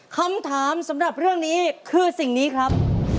คำถามสำหรับเรื่องนี้คือสิ่งนี้ครับ